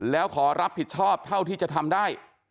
แล้วขอรับผิดชอบเท่าที่จะทำได้